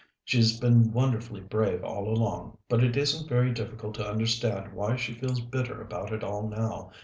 She's been wonderfully brave all along, but it isn't very difficult to understand why she feels bitter about it all now.